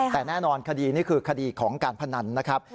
แต่แน่นอนคดีนี่คือคดีของการพนันนะครับ